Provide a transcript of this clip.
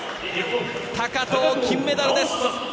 高藤、金メダルです！